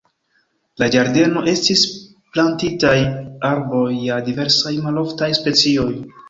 La ĝardeno estis plantitaj arboj de diversaj maloftaj specioj.